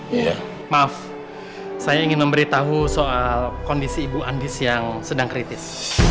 ya maaf saya ingin memberitahu soal kondisi ibu andis yang sedang kritis